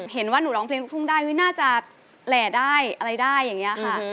เห็นว่าหนูร้องเพลงลูกทุ่งได้น่าจะแหล่ได้อะไรได้อย่างนี้ค่ะ